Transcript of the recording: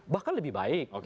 bahkan lebih baik